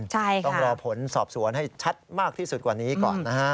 ต้องรอผลสอบสวนให้ชัดมากที่สุดกว่านี้ก่อนนะฮะ